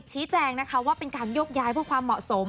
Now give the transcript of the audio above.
ชี้แจงนะคะว่าเป็นการโยกย้ายเพื่อความเหมาะสม